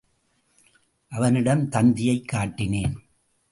அவனிடம் தந்தியைக் காட்டினேன்.